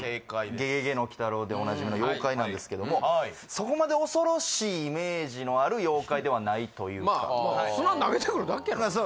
「ゲゲゲの鬼太郎」でおなじみの妖怪なんですけどもそこまで恐ろしいイメージのある妖怪ではないというかまあ砂投げてくるだけやろまあ